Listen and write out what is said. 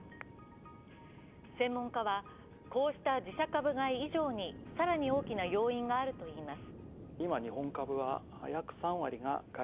専門家は、こうした自社株買い以上に更に大きな要因があるといいます。